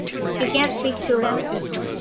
You can't speak too low.